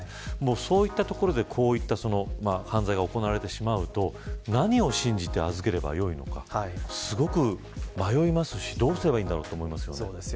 そういったところでこういった犯罪が行われてしまうと何を信じて預ければ良いのかすごく迷いますし、どうすればいんだろうと思いますよね。